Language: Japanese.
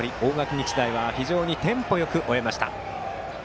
日大は非常にテンポよく終わりました。